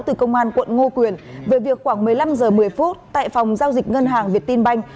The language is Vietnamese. từ công an quận ngô quyền về việc khoảng một mươi năm h một mươi phút tại phòng giao dịch ngân hàng việt tin banh